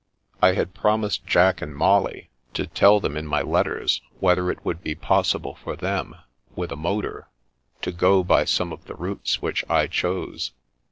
I had promised Jack and Molly to tell them in my 128 The Princess Passes letters, whether it would be possible for them, with a motor, to go by some of the routes which I chose.